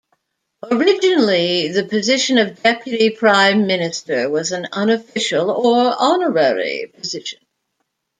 Originally the position of deputy Prime Minister was an unofficial or honorary position.